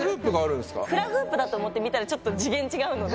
フラフープだと思って見たらちょっと次元違うので。